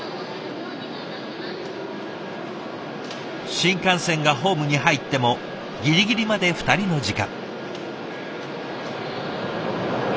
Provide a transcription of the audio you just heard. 新幹線がホームに入ってもギリギリまで２人の時間。